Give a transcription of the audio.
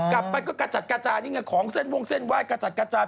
กลับไปก็กระจัดกระจายนี่ไงของเส้นวงเส้นไหว้กระจัดกระจาย